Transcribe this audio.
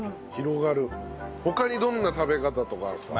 他にどんな食べ方とかあるんですか？